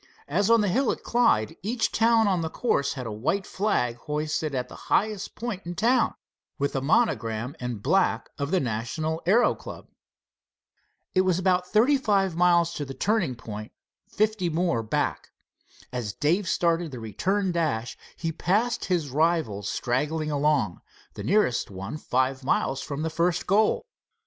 As on the hill at Clyde, each town on the course had a white flag hoisted at the highest point in town, with the monogram in black of the national aero club. It was about thirty five miles to the turning point, fifty more back. As Dave started the return dash, he passed his rivals straggling along, the nearest one five miles from the first goal.